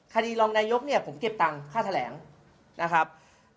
คดีรองนายกผมเก็บตังค่าแถลงนะครับ